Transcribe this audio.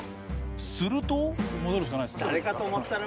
すると。